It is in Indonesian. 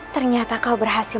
ternyata kau berhasil